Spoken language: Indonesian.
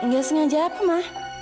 gak sengaja apa ma